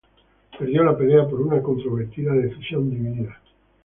Perdió la pelea por una controvertida decisión dividida.